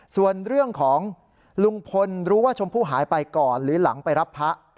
ส่วนเรื่องของลุงพลรู้ว่าชมพู่หายไปก่อนหรือหลังไปรับพระ